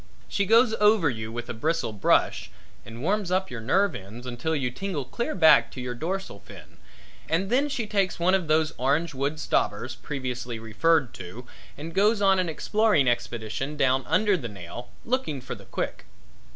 She goes over you with a bristle brush, and warms up your nerve ends until you tingle clear back to your dorsal fin and then she takes one of those orange wood stobbers previously referred to, and goes on an exploring expedition down under the nail, looking for the quick.